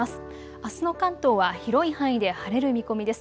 あすの関東は広い範囲で晴れる見込みです。